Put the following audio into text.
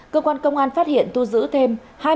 cơ quan công an phát hiện tú giữ thêm